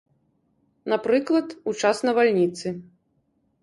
Напрыклад, у час навальніцы.